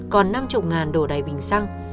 còn năm mươi đổ đầy bình xăng